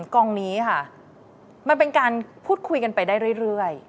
กองนี้ค่ะมันเป็นการพูดคุยกันไปได้เรื่อย